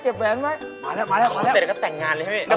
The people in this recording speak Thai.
มาแล้วก็ได้เรียบใกล้จะแต่งงานเลยใช่ไหม